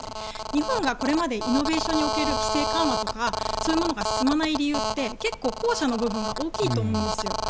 日本がこれまでイノベーションにおける規制緩和とかそういうものが進まない理由って後者の部分が大きいと思うんですよ。